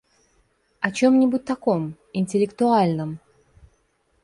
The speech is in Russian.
О чем-нибудь таком, интеллектуальном.